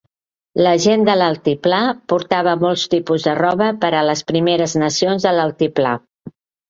La gent de l'Altiplà portava molts tipus de roba per a les Primeres Nacions de l'Altiplà.